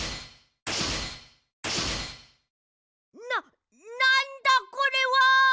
ななんだこれは！？